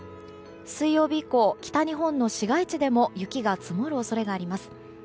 水曜日以降、北日本の市街地でも雪が積もる恐れがあります。